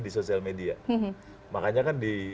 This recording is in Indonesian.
di sosial media makanya kan di